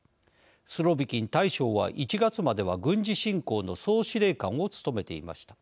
スロビキン大将は１月までは軍事侵攻の総司令官を務めていました。